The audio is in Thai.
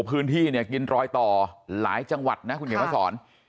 พื้นที่เนี่ยกินรอยต่อหลายจังหวัดนะคุณเขียนมาสอน